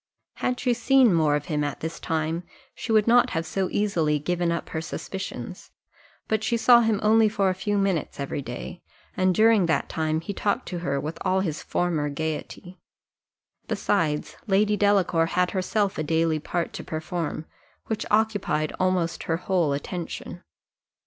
Had she seen more of him at this time, she would not have so easily given up her suspicions; but she saw him only for a few minutes every day, and during that time he talked to her with all his former gaiety; besides, Lady Delacour had herself a daily part to perform, which occupied almost her whole attention.